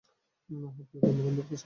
আহ, প্রিয় বন্ধুবান্ধব কী সমস্যা ওর?